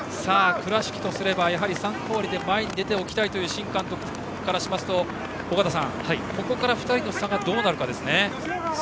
倉敷の、やはり３区終わりで前に出ておきたいという新監督からしますと尾方さん、ここから２人の差がどうなるかですね。